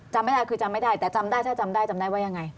จำไม่ได้คือจำไม่ได้แต่จำได้ถ้าจำได้จำได้ว่ายังไง